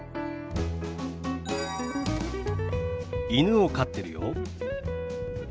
犬を飼ってるよ。